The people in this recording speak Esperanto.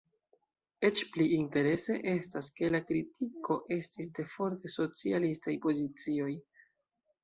Eĉ pli interese estas ke la kritiko estis de forte socialistaj pozicioj.